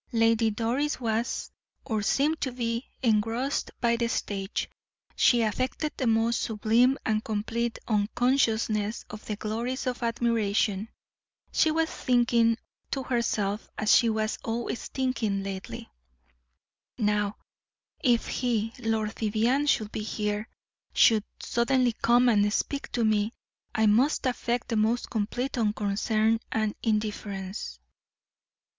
Lady Doris was, or seemed to be, engrossed by the stage; she affected the most sublime and complete, unconsciousness of the glories of admiration; she was thinking to herself, as she was always thinking lately: "Now, if he, Lord Vivianne, should be here, should suddenly come and speak to me, I must affect the most complete unconcern and indifference."